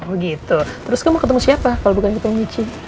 oh gitu terus kamu ketemu siapa kalo bukan kita michi